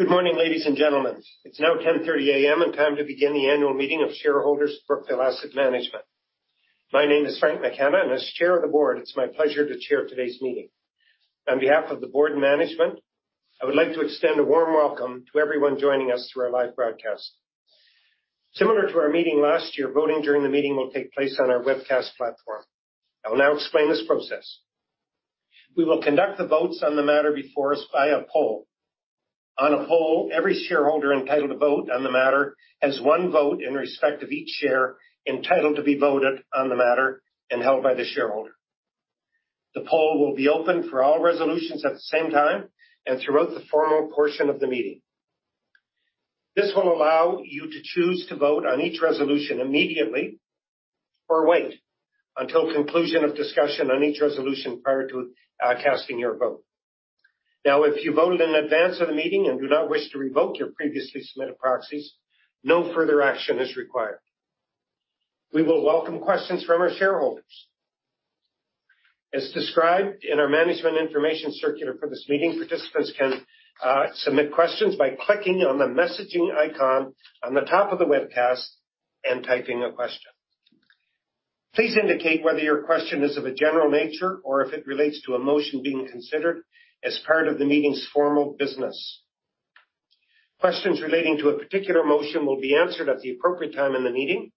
Good morning, ladies and gentlemen. It's now 10:30 A.M. and time to begin the annual meeting of shareholders of Brookfield Asset Management. My name is Frank McKenna, and as Chair of the Board, it's my pleasure to chair today's meeting. On behalf of the board and management, I would like to extend a warm welcome to everyone joining us through our live broadcast. Similar to our meeting last year, voting during the meeting will take place on our webcast platform. I will now explain this process. We will conduct the votes on the matter before us via poll. On a poll, every shareholder entitled to vote on the matter has one vote in respect of each share entitled to be voted on the matter and held by the shareholder. The poll will be open for all resolutions at the same time and throughout the formal portion of the meeting. This will allow you to choose to vote on each resolution immediately or wait until conclusion of discussion on each resolution prior to casting your vote. Now, if you voted in advance of the meeting and do not wish to revoke your previously submitted proxies, no further action is required. We will welcome questions from our shareholders. As described in our management information circular for this meeting, participants can submit questions by clicking on the messaging icon on the top of the webcast and typing a question. Please indicate whether your question is of a general nature or if it relates to a motion being considered as part of the meeting's formal business. Questions relating to a particular motion will be answered at the appropriate time in the meeting.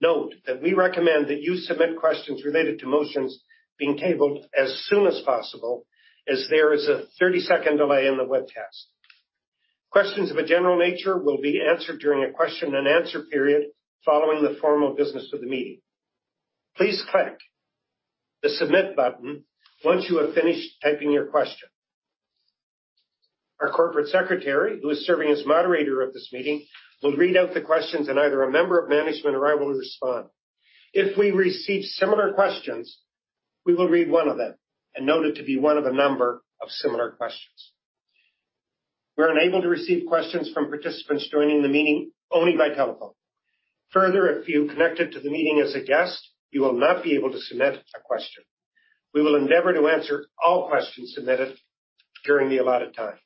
Note that we recommend that you submit questions related to motions being tabled as soon as possible, as there is a 30-second delay in the webcast. Questions of a general nature will be answered during a question and answer period following the formal business of the meeting. Please click the Submit button once you have finished typing your question. Our corporate secretary, who is serving as moderator of this meeting, will read out the questions, and either a member of management or I will respond. If we receive similar questions, we will read one of them and note it to be one of a number of similar questions. We're unable to receive questions from participants joining the meeting only by telephone. Further, if you connected to the meeting as a guest, you will not be able to submit a question. We will endeavor to answer all questions submitted during the allotted time.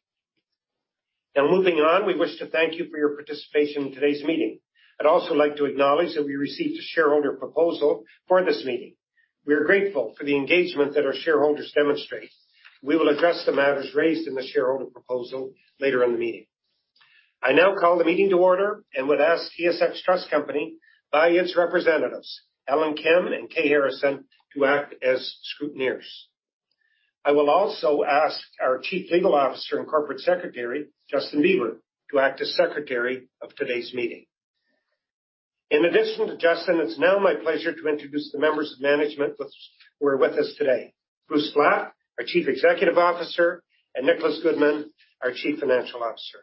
Now, moving on, we wish to thank you for your participation in today's meeting. I'd also like to acknowledge that we received a shareholder proposal for this meeting. We are grateful for the engagement that our shareholders demonstrate. We will address the matters raised in the shareholder proposal later in the meeting. I now call the meeting to order and would ask TSX Trust Company by its representatives, Ellen Kim and Kay Harrison, to act as scrutineers. I will also ask our Chief Legal Officer and Corporate Secretary, Justin Beber, to act as secretary of today's meeting. In addition to Justin, it's now my pleasure to introduce the members of management who are with us today. Bruce Flatt, our Chief Executive Officer, and Nicholas Goodman, our Chief Financial Officer.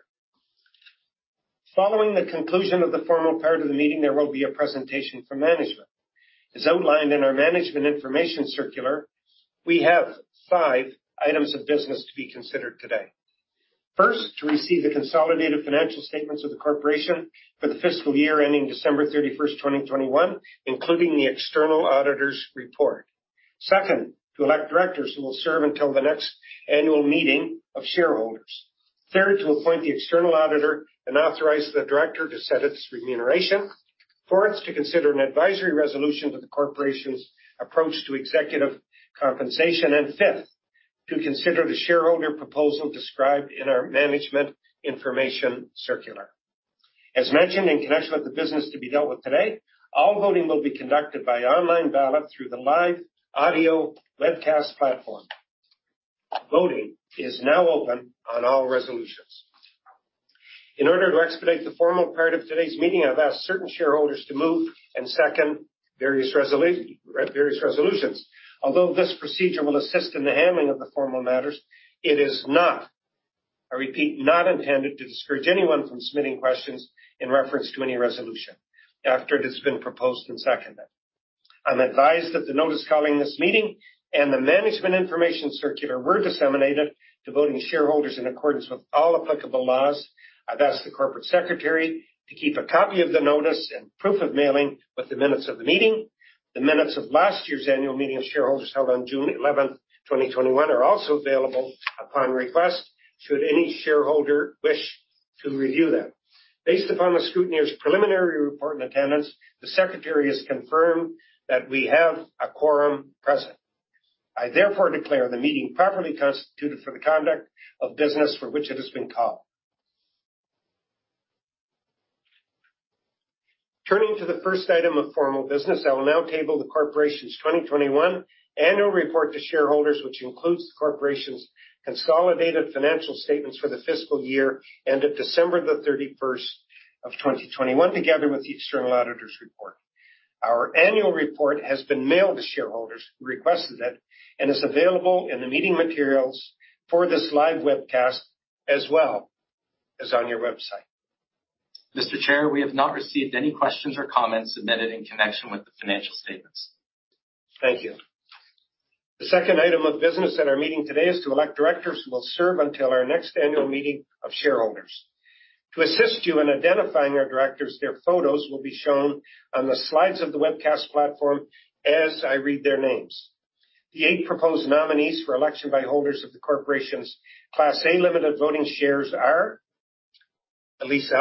Following the conclusion of the formal part of the meeting, there will be a presentation from management. As outlined in our management information circular, we have five items of business to be considered today. First, to receive the consolidated financial statements of the corporation for the fiscal year ending December 31st, 2021, including the external auditor's report. Second, to elect directors who will serve until the next annual meeting of shareholders. Third, to appoint the external auditor and authorize the director to set its remuneration. Fourth, to consider an advisory resolution to the corporation's approach to executive compensation. Fifth, to consider the shareholder proposal described in our management information circular. As mentioned, in connection with the business to be dealt with today, all voting will be conducted by online ballot through the live audio webcast platform. Voting is now open on all resolutions. In order to expedite the formal part of today's meeting, I've asked certain shareholders to move and second various resolutions. Although this procedure will assist in the handling of the formal matters, it is not, I repeat, not intended to discourage anyone from submitting questions in reference to any resolution after it has been proposed and seconded. I'm advised that the notice calling this meeting and the management information circular were disseminated to voting shareholders in accordance with all applicable laws. I've asked the corporate secretary to keep a copy of the notice and proof of mailing with the minutes of the meeting. The minutes of last year's annual meeting of shareholders held on June 11th, 2021, are also available upon request should any shareholder wish to review them. Based upon the scrutineer's preliminary report and attendance, the secretary has confirmed that we have a quorum present. I therefore declare the meeting properly constituted for the conduct of business for which it has been called. Turning to the first item of formal business, I will now table the corporation's 2021 annual report to shareholders, which includes the corporation's consolidated financial statements for the fiscal year ended December the 31st of 2021, together with the external auditor's report. Our annual report has been mailed to shareholders who requested it and is available in the meeting materials for this live webcast as well as on your website. Mr. Chair, we have not received any questions or comments submitted in connection with the financial statements. Thank you. The second item of business at our meeting today is to elect directors who will serve until our next annual meeting of shareholders. To assist you in identifying our directors, their photos will be shown on the slides of the webcast platform as I read their names. The eight proposed nominees for election by holders of the corporation's Class A limited voting shares are Elyse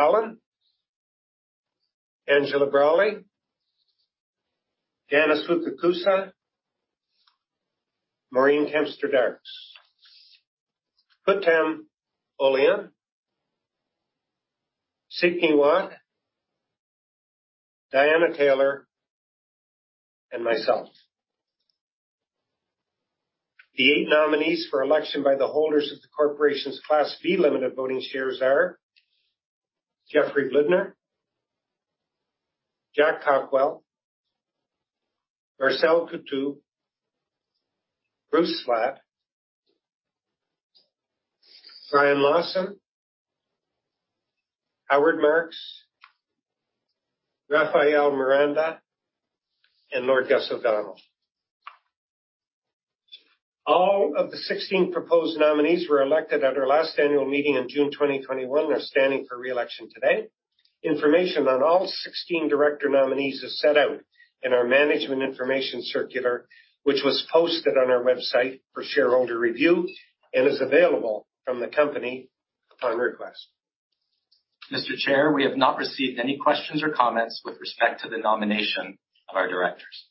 Allan, Angela Braly, Janice Fukakusa, Maureen Kempston Darkes, Hutham Olayan, Seek Ngee Huat, Diana Taylor, and myself. The eight nominees for election by the holders of the corporation's Class B limited voting shares are Jeffrey Blidner, Jack Cockwell, Marcel Coutu, Bruce Flatt, Brian Lawson, Howard Marks, Rafael Miranda, and Lord Gus O'Donnell. All of the 16 proposed nominees were elected at our last annual meeting in June 2021. They're standing for re-election today. Information on all 16 director nominees is set out in our management information circular, which was posted on our website for shareholder review and is available from the company upon request. Mr. Chair, we have not received any questions or comments with respect to the nomination of our directors.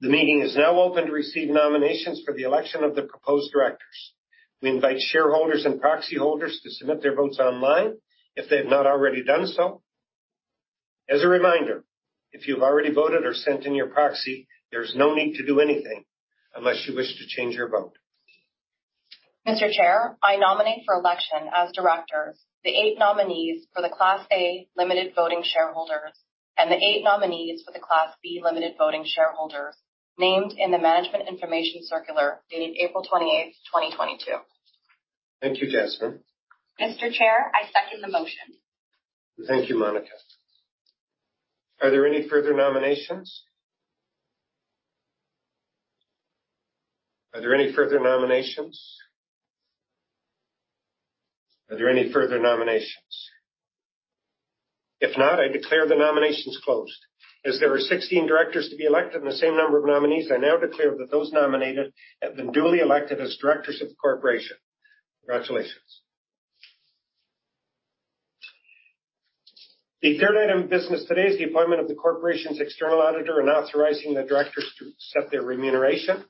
The meeting is now open to receive nominations for the election of the proposed directors. We invite shareholders and proxy holders to submit their votes online if they have not already done so. As a reminder, if you've already voted or sent in your proxy, there's no need to do anything unless you wish to change your vote. Mr. Chair, I nominate for election as directors the eight nominees for the Class A limited voting shares and the eight nominees for the Class B limited voting shares named in the management information circular dated April 28th, 2022. Thank you, Jaspreet. Mr. Chair, I second the motion. Thank you, Monica. Are there any further nominations? If not, I declare the nominations closed. As there are 16 directors to be elected, and the same number of nominees, I now declare that those nominated have been duly elected as directors of the corporation. Congratulations. The third item of business today is the appointment of the corporation's external auditor and authorizing the directors to set their remuneration.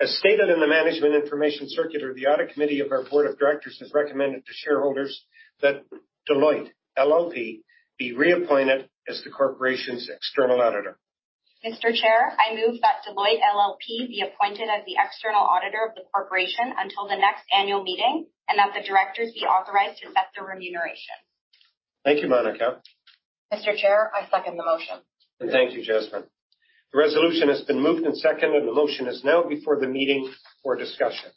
As stated in the management information circular, the audit committee of our board of directors has recommended to shareholders that Deloitte LLP be reappointed as the corporation's external auditor. Mr. Chair, I move that Deloitte LLP be appointed as the external auditor of the corporation until the next annual meeting and that the directors be authorized to set their remuneration. Thank you, Monica. Mr. Chair, I second the motion. Thank you, Jaspreet. The resolution has been moved and seconded. The motion is now before the meeting for discussion.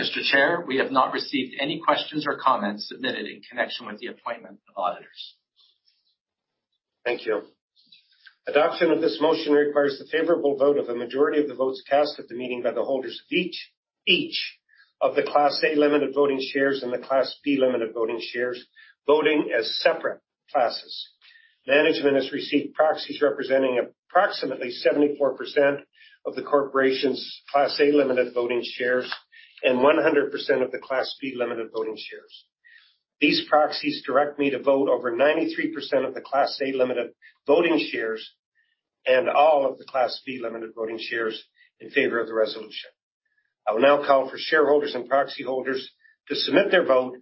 Mr. Chair, we have not received any questions or comments submitted in connection with the appointment of auditors. Thank you. Adoption of this motion requires the favorable vote of the majority of the votes cast at the meeting by the holders of each of the Class A limited voting shares and the Class B limited voting shares, voting as separate classes. Management has received proxies representing approximately 74% of the corporation's Class A limited voting shares and 100% of the Class B limited voting shares. These proxies direct me to vote over 93% of the Class A limited voting shares and all of the Class B limited voting shares in favor of the resolution. I will now call for shareholders and proxy holders to submit their vote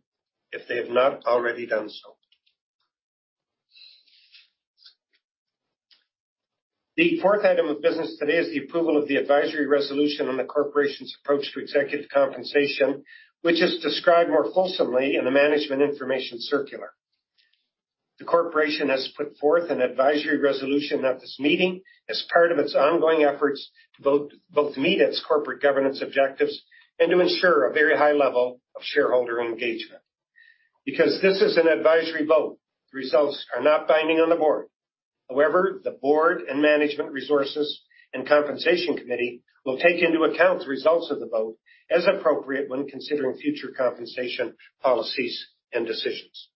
if they have not already done so. The fourth item of business today is the approval of the advisory resolution on the corporation's approach to executive compensation, which is described more fulsomely in the management information circular. The corporation has put forth an advisory resolution at this meeting as part of its ongoing efforts to both meet its corporate governance objectives and to ensure a very high level of shareholder engagement. Because this is an advisory vote, the results are not binding on the board. However, the board and Management Resources and Compensation Committee will take into account the results of the vote as appropriate when considering future compensation policies and decisions.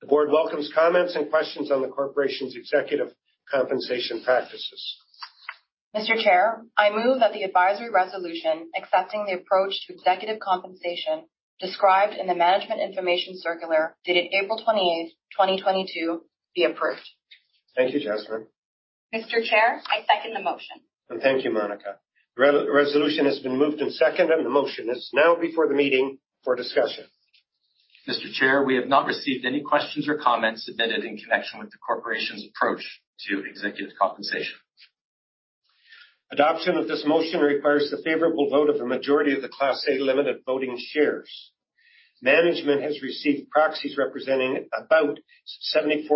The board welcomes comments and questions on the corporation's executive compensation practices. Mr. Chair, I move that the advisory resolution accepting the approach to executive compensation described in the management information circular dated April 28th, 2022, be approved. Thank you, Jaspreet. Mr. Chair, I second the motion. Thank you, Monica. Re-resolution has been moved and seconded. The motion is now before the meeting for discussion. Mr. Chair, we have not received any questions or comments submitted in connection with the corporation's approach to executive compensation. Adoption of this motion requires the favorable vote of a majority of the Class A limited voting shares. Management has received proxies representing about 74%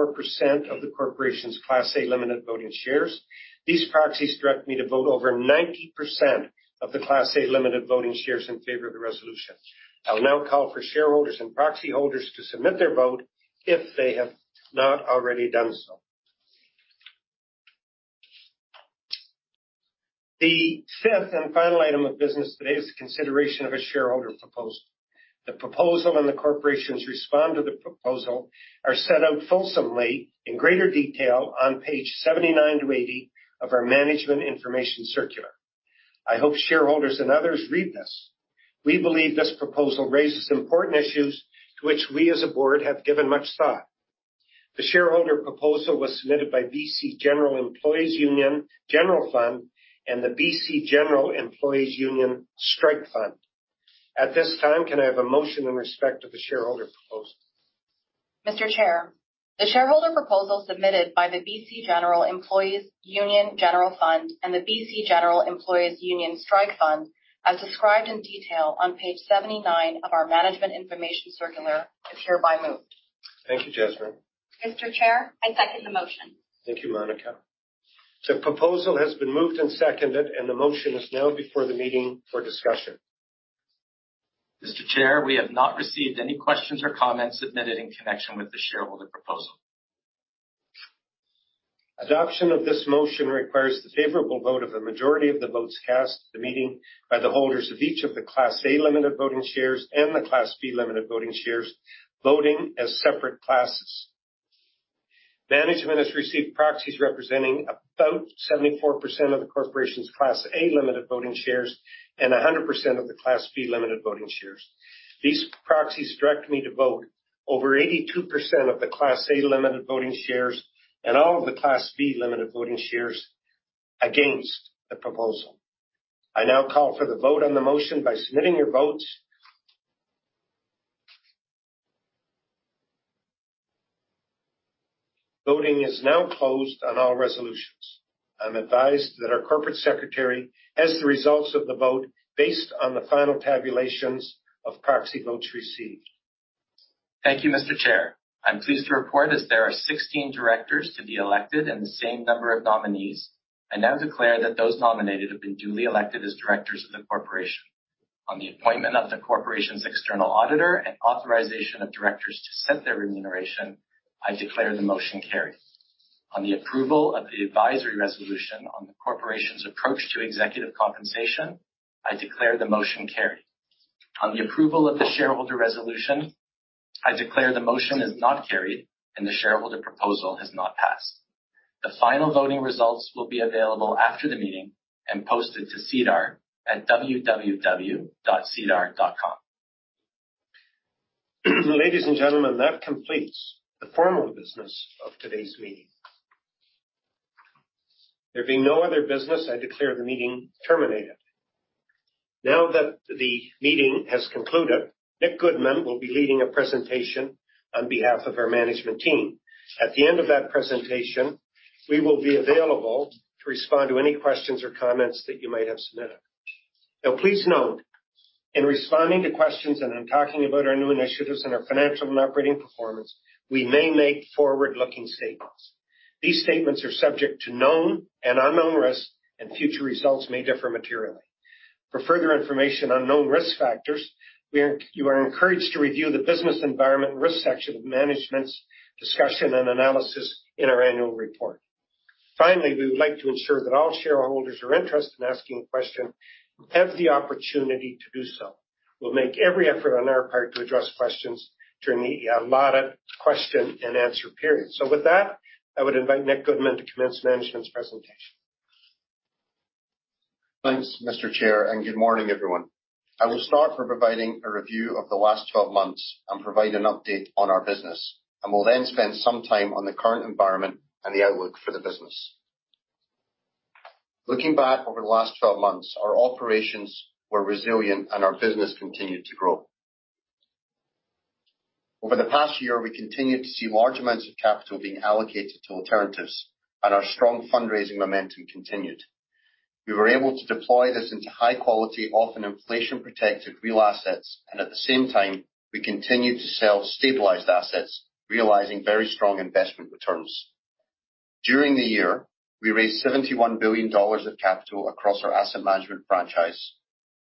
of the corporation's Class A limited voting shares. These proxies direct me to vote over 90% of the Class A limited voting shares in favor of the resolution. I will now call for shareholders and proxy holders to submit their vote if they have not already done so. The fifth and final item of business today is the consideration of a shareholder proposal. The proposal and the corporation's response to the proposal are set out fully in greater detail on page 79-80 of our Management Information Circular. I hope shareholders and others read this. We believe this proposal raises important issues to which we as a board have given much thought. The shareholder proposal was submitted by B.C. General Employees' Union General Fund and the B.C. General Employees' Union Strike Fund. At this time, can I have a motion in respect to the shareholder proposal? Mr. Chair, the shareholder proposal submitted by the B.C. General Employees' Union General Fund and the B.C. General Employees' Union Strike Fund, as described in detail on page 79 of our Management Information Circular is hereby moved. Thank you, Jaspreet. Mr. Chair, I second the motion. Thank you, Monica. The proposal has been moved and seconded, and the motion is now before the meeting for discussion. Mr. Chair, we have not received any questions or comments submitted in connection with the shareholder proposal. Adoption of this motion requires the favorable vote of the majority of the votes cast at the meeting by the holders of each of the Class A limited voting shares and the Class B limited voting shares, voting as separate classes. Management has received proxies representing about 74% of the corporation's Class A limited voting shares and 100% of the Class B limited voting shares. These proxies direct me to vote over 82% of the Class A limited voting shares and all of the Class B limited voting shares against the proposal. I now call for the vote on the motion by submitting your votes. Voting is now closed on all resolutions. I'm advised that our corporate secretary has the results of the vote based on the final tabulations of proxy votes received. Thank you, Mr. Chair. I'm pleased to report as there are 16 directors to be elected and the same number of nominees. I now declare that those nominated have been duly elected as directors of the corporation. On the appointment of the corporation's external auditor and authorization of directors to set their remuneration, I declare the motion carried. On the approval of the advisory resolution on the corporation's approach to executive compensation, I declare the motion carried. On the approval of the shareholder resolution, I declare the motion is not carried and the shareholder proposal has not passed. The final voting results will be available after the meeting and posted to SEDAR+ at www.sedar.com. Ladies and gentlemen, that completes the formal business of today's meeting. There being no other business, I declare the meeting terminated. Now that the meeting has concluded, Nick Goodman will be leading a presentation on behalf of our management team. At the end of that presentation, we will be available to respond to any questions or comments that you might have submitted. Now, please note, in responding to questions and in talking about our new initiatives and our financial and operating performance, we may make forward-looking statements. These statements are subject to known and unknown risks, and future results may differ materially. For further information on known risk factors, you are encouraged to review the business environment and risk section of management's discussion and analysis in our annual report. Finally, we would like to ensure that all shareholders who are interested in asking a question have the opportunity to do so. We'll make every effort on our part to address questions during the allotted question and answer period. With that, I would invite Nick Goodman to commence management's presentation. Thanks, Mr. Chair, and good morning, everyone. I will start by providing a review of the last 12 months and provide an update on our business. I will then spend some time on the current environment and the outlook for the business. Looking back over the last 12 months, our operations were resilient, and our business continued to grow. Over the past year, we continued to see large amounts of capital being allocated to alternatives, and our strong fundraising momentum continued. We were able to deploy this into high quality, often inflation-protected real assets, and at the same time, we continued to sell stabilized assets, realizing very strong investment returns. During the year, we raised $71 billion of capital across our asset management franchise.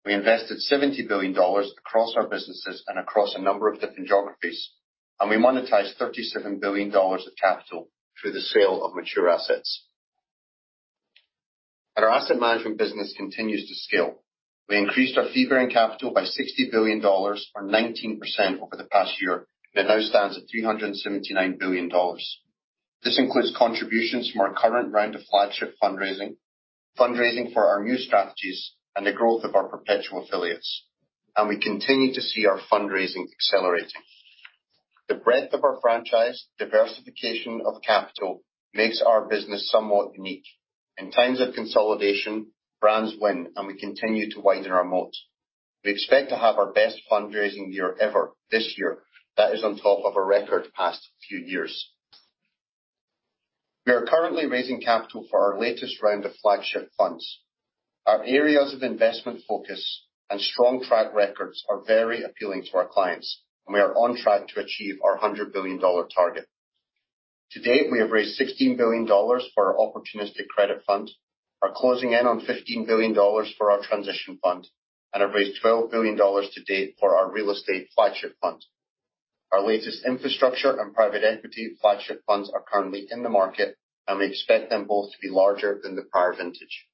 We invested $70 billion across our businesses and across a number of different geographies, and we monetized $37 billion of capital through the sale of mature assets. Our asset management business continues to scale. We increased our fee-bearing capital by $60 billion or 19% over the past year. It now stands at $379 billion. This includes contributions from our current round of flagship fundraising for our new strategies and the growth of our perpetual affiliates, and we continue to see our fundraising accelerating. The breadth of our franchise, diversification of capital makes our business somewhat unique. In times of consolidation, brands win, and we continue to widen our moats. We expect to have our best fundraising year ever this year. That is on top of a record past few years. We are currently raising capital for our latest round of flagship funds. Our areas of investment focus and strong track records are very appealing to our clients, and we are on track to achieve our $100 billion target. To date, we have raised $16 billion for our opportunistic credit fund, are closing in on $15 billion for our transition fund, and have raised $12 billion to date for our real estate flagship fund. Our latest infrastructure and private equity flagship funds are currently in the market, and we expect them both to be larger than the prior vintage.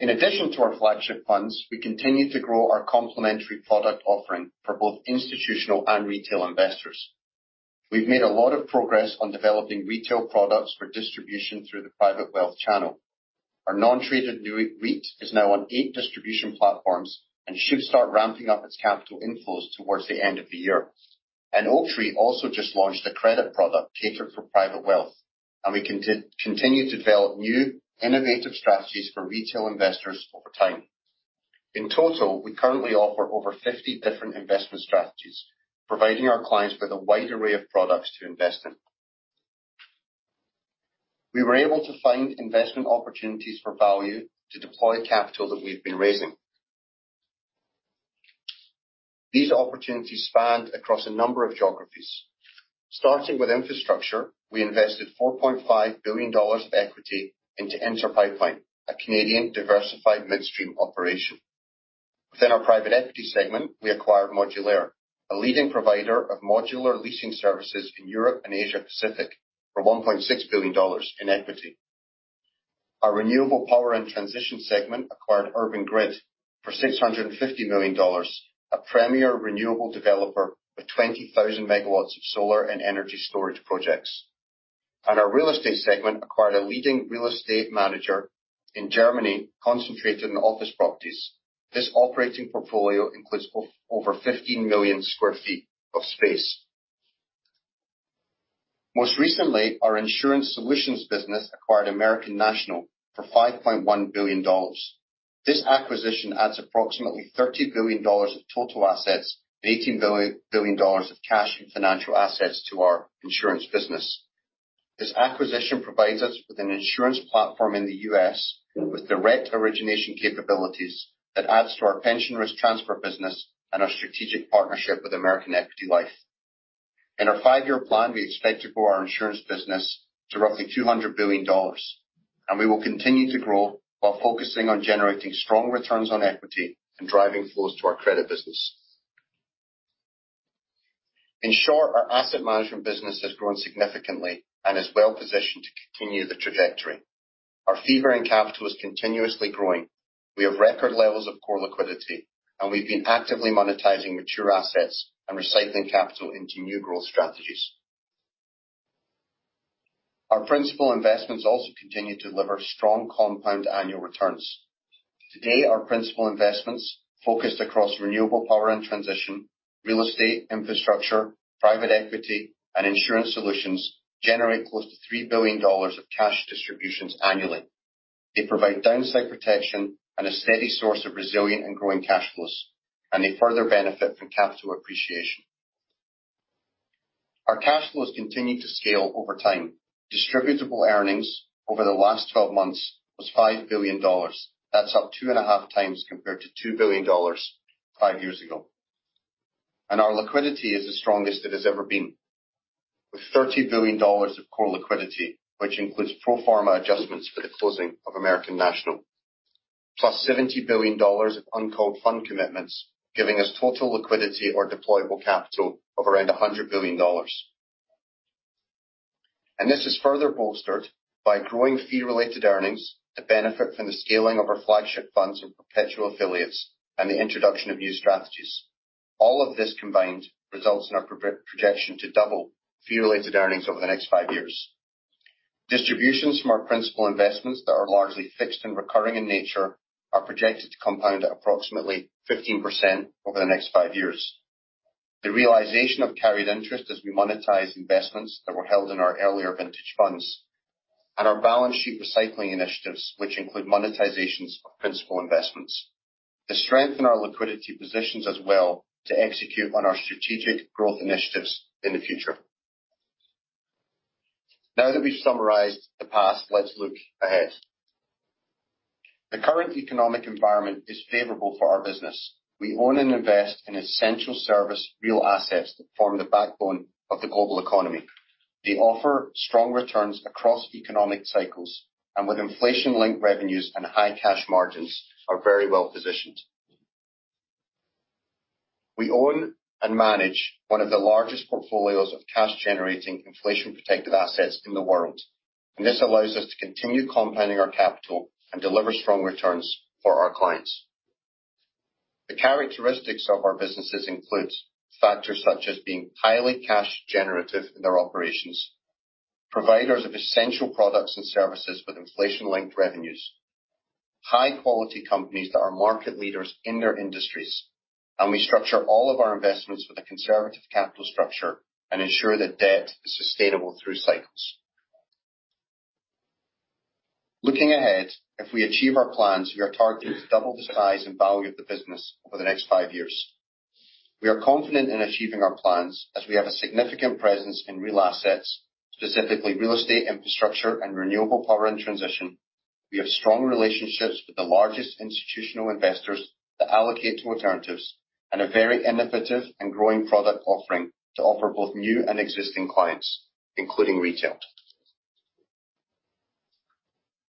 In addition to our flagship funds, we continue to grow our complementary product offering for both institutional and retail investors. We've made a lot of progress on developing retail products for distribution through the private wealth channel. Our non-traded new REIT is now on 8 distribution platforms and should start ramping up its capital inflows towards the end of the year. Oaktree also just launched a credit product catered for private wealth, and we continue to develop new innovative strategies for retail investors over time. In total, we currently offer over 50 different investment strategies, providing our clients with a wide array of products to invest in. We were able to find investment opportunities for value to deploy capital that we've been raising. These opportunities spanned across a number of geographies. Starting with infrastructure, we invested $4.5 billion of equity into Inter Pipeline, a Canadian diversified midstream operation. Within our private equity segment, we acquired Modulaire Group, a leading provider of modular leasing services in Europe and Asia Pacific for $1.6 billion in equity. Our renewable power and transition segment acquired Urban Grid for $650 million, a premier renewable developer with 20,000 MW of solar and energy storage projects. Our real estate segment acquired a leading real estate manager in Germany concentrated in office properties. This operating portfolio includes over 15 million sq ft of space. Most recently, our insurance solutions business acquired American National for $5.1 billion. This acquisition adds approximately $30 billion of total assets and $18 billion of cash and financial assets to our insurance business. This acquisition provides us with an insurance platform in the U.S. with direct origination capabilities that adds to our pension risk transfer business and our strategic partnership with American Equity Life. In our five-year plan, we expect to grow our insurance business to roughly $200 billion, and we will continue to grow while focusing on generating strong returns on equity and driving flows to our credit business. In short, our asset management business has grown significantly and is well positioned to continue the trajectory. Our fee-bearing capital is continuously growing. We have record levels of core liquidity, and we've been actively monetizing mature assets and recycling capital into new growth strategies. Our principal investments also continue to deliver strong compound annual returns. Today, our principal investments focused across renewable power and transition, real estate, infrastructure, private equity, and insurance solutions generate close to $3 billion of cash distributions annually. They provide downside protection and a steady source of resilient and growing cash flows, and they further benefit from capital appreciation. Our cash flows continue to scale over time. Distributable earnings over the last 12 months was $5 billion. That's up 2.5x Compared to $2 billion five years ago. Our liquidity is the strongest it has ever been, with $30 billion of core liquidity, which includes pro forma adjustments for the closing of American National, +$70 billion of uncalled fund commitments, giving us total liquidity or deployable capital of around $100 billion. This is further bolstered by growing fee-related earnings to benefit from the scaling of our flagship funds and perpetual affiliates and the introduction of new strategies. All of this combined results in our projection to double fee-related earnings over the next five years. Distributions from our principal investments that are largely fixed and recurring in nature are projected to compound at approximately 15% over the next five years. The realization of carried interest as we monetize investments that were held in our earlier vintage funds and our balance sheet recycling initiatives, which include monetizations of principal investments, to strengthen our liquidity positions as well to execute on our strategic growth initiatives in the future. Now that we've summarized the past, let's look ahead. The current economic environment is favorable for our business. We own and invest in essential service real assets that form the backbone of the global economy. They offer strong returns across economic cycles and with inflation-linked revenues and high cash margins are very well positioned. We own and manage one of the largest portfolios of cash-generating inflation-protected assets in the world. This allows us to continue compounding our capital and deliver strong returns for our clients. The characteristics of our businesses includes factors such as being highly cash generative in their operations, providers of essential products and services with inflation-linked revenues, high-quality companies that are market leaders in their industries, and we structure all of our investments with a conservative capital structure and ensure that debt is sustainable through cycles. Looking ahead, if we achieve our plans, we are targeting to double the size and value of the business over the next five years. We are confident in achieving our plans as we have a significant presence in real assets, specifically real estate infrastructure and renewable power in transition. We have strong relationships with the largest institutional investors that allocate to alternatives and a very innovative and growing product offering to offer both new and existing clients, including retail.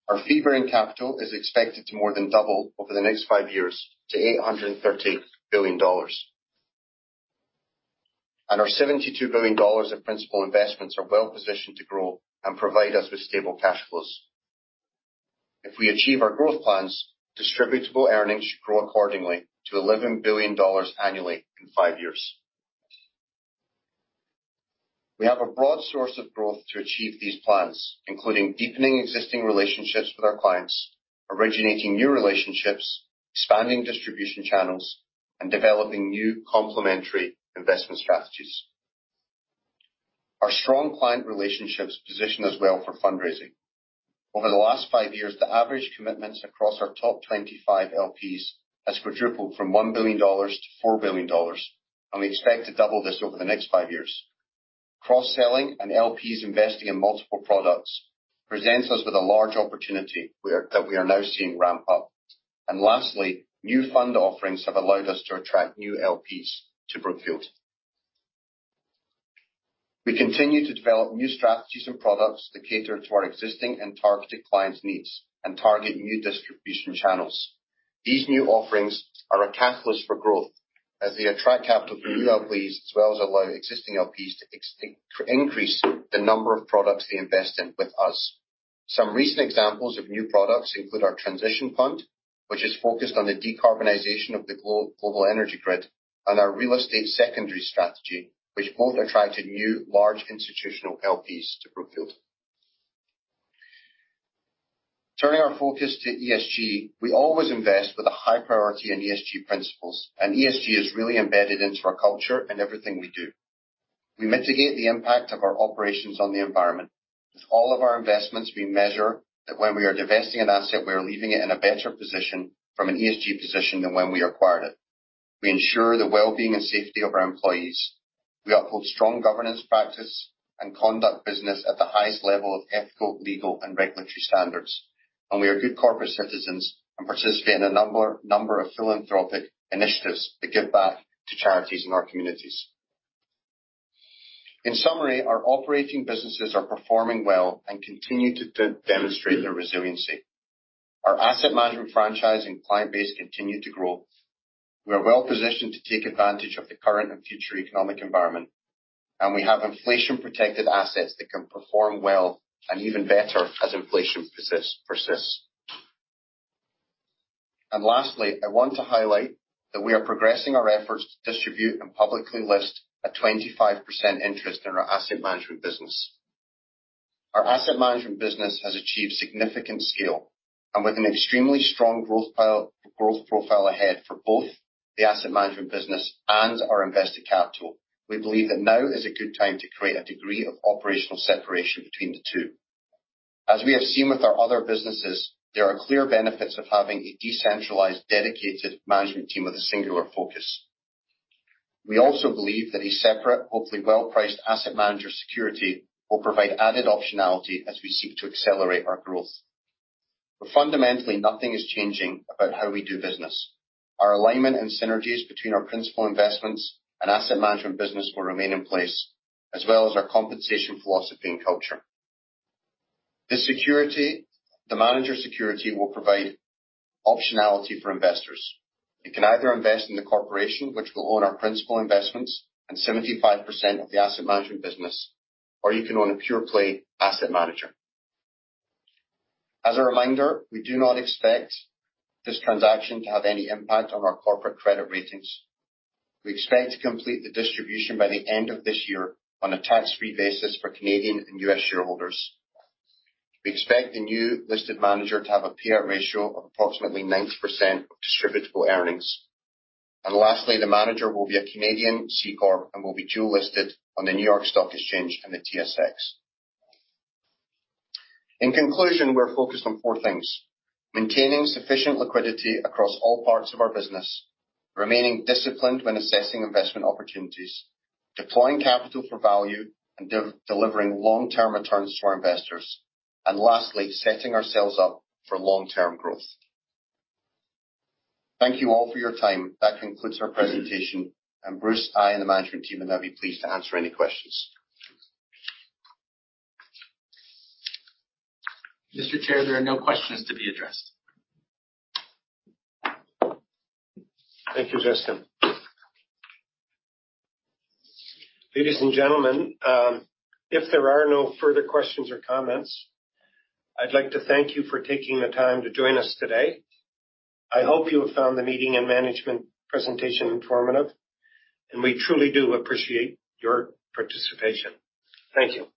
Our fee-bearing capital is expected to more than double over the next five years to $830 billion. Our $72 billion in principal investments are well positioned to grow and provide us with stable cash flows. If we achieve our growth plans, distributable earnings should grow accordingly to $11 billion annually in five years. We have a broad source of growth to achieve these plans, including deepening existing relationships with our clients, originating new relationships, expanding distribution channels, and developing new complementary investment strategies. Our strong client relationships position us well for fundraising. Over the last five years, the average commitments across our top 25 LPs has quadrupled from $1 billion to $4 billion, and we expect to double this over the next five years. Cross-selling and LPs investing in multiple products presents us with a large opportunity that we are now seeing ramp up. Lastly, new fund offerings have allowed us to attract new LPs to Brookfield. We continue to develop new strategies and products that cater to our existing and targeted clients' needs and target new distribution channels. These new offerings are a catalyst for growth as they attract capital for new LPs, as well as allow existing LPs to increase the number of products they invest in with us. Some recent examples of new products include our transition fund, which is focused on the decarbonization of the global energy grid, and our real estate secondary strategy, which both attracted new large institutional LPs to Brookfield. Turning our focus to ESG. We always invest with a high priority on ESG principles, and ESG is really embedded into our culture and everything we do. We mitigate the impact of our operations on the environment. With all of our investments, we measure that when we are divesting an asset, we are leaving it in a better position from an ESG position than when we acquired it. We ensure the well-being and safety of our employees. We uphold strong governance practice and conduct business at the highest level of ethical, legal and regulatory standards. We are good corporate citizens and participate in a number of philanthropic initiatives that give back to charities in our communities. In summary, our operating businesses are performing well and continue to demonstrate their resiliency. Our asset management franchise and client base continue to grow. We are well positioned to take advantage of the current and future economic environment, and we have inflation protected assets that can perform well and even better as inflation persists. Lastly, I want to highlight that we are progressing our efforts to distribute and publicly list a 25% interest in our asset management business. Our asset management business has achieved significant scale and with an extremely strong growth profile ahead for both the asset management business and our invested capital, we believe that now is a good time to create a degree of operational separation between the two. As we have seen with our other businesses, there are clear benefits of having a decentralized, dedicated management team with a singular focus. We also believe that a separate, hopefully well-priced asset manager security will provide added optionality as we seek to accelerate our growth. Fundamentally, nothing is changing about how we do business. Our alignment and synergies between our principal investments and asset management business will remain in place, as well as our compensation philosophy and culture. The security, the manager security, will provide optionality for investors. You can either invest in the corporation which will own our principal investments and 75% of the asset management business. You can own a pure play asset manager. As a reminder, we do not expect this transaction to have any impact on our corporate credit ratings. We expect to complete the distribution by the end of this year on a tax-free basis for Canadian and U.S. shareholders. We expect the new listed manager to have a payout ratio of approximately 90% of distributable earnings. Lastly, the manager will be a Canadian C Corp and will be dual-listed on the New York Stock Exchange and the TSX. In conclusion, we're focused on four things. Maintaining sufficient liquidity across all parts of our business. Remaining disciplined when assessing investment opportunities. Deploying capital for value and delivering long-term returns to our investors. Lastly, setting ourselves up for long-term growth. Thank you all for your time. That concludes our presentation. Bruce, I and the management team would now be pleased to answer any questions. Mr. Chair, there are no questions to be addressed. Thank you, Justin. Ladies and gentlemen, if there are no further questions or comments, I'd like to thank you for taking the time to join us today. I hope you have found the meeting and management presentation informative, and we truly do appreciate your participation. Thank you.